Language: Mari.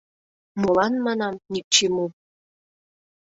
— Молан, манам, ни к чему?